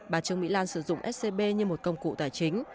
bà trương mỹ lan sử dụng scb như một công cụ tài chính